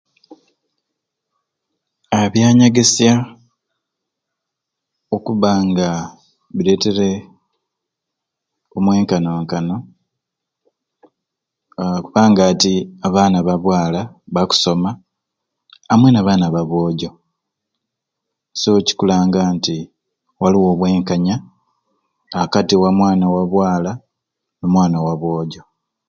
Aa ebyanyegesya okuba nga biretere omwenkanonkano aa kubanga ati abaana ba bwala bakusoma amwei na baana ba bwojo so kikulanga nti waliwo obwenkanya akati wa mwana wa bwala no mwana wa bwojo